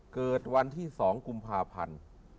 เกิดวันที่๒กุมภาพันธ์